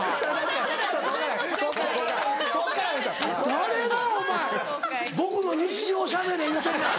誰がお前僕の日常をしゃべれいうてんねん。